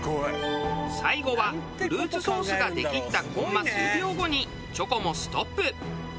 最後はフルーツソースが出きったコンマ数秒後にチョコもストップ。